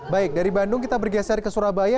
baik dari bandung kita bergeser ke surabaya